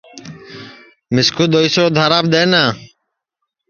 مِسکُو دؔوئی سو اُدھاراپ دؔئنا